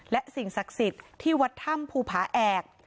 และสิ่งศักดิ์สิทธิ์ที่วัดถ้ำภูผาแอก